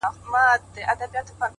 ما خو پرېږده نن رویبار په وینو ژاړي!.